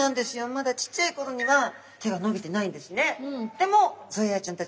まだちっちゃい頃には手が伸びてないんですね。